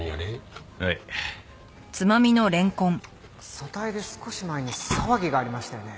組対で少し前に騒ぎがありましたよね？